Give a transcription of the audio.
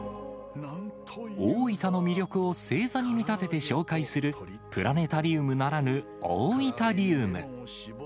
大分の魅力を星座に見立てて紹介する、プラネタリウムならぬオオイタリウム。